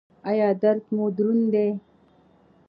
ایا درد مو دروند دی؟